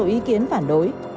có số ý kiến phản đối